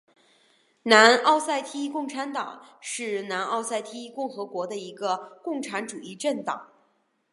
南奥塞梯共产党是南奥塞梯共和国的一个共产主义政党。